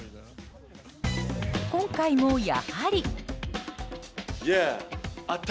今回もやはり。